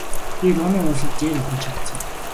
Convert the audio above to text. Би Румын улсад зээл олгуулж чадсан.